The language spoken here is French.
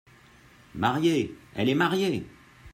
Mariée !… elle est mariée !